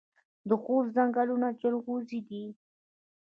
د خوست ځنګلونه جلغوزي دي